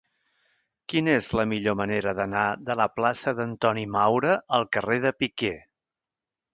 Quina és la millor manera d'anar de la plaça d'Antoni Maura al carrer de Piquer?